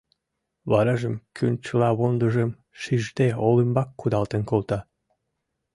Варажым кӱнчылавондыжым шижде олымбак кудалтен колта.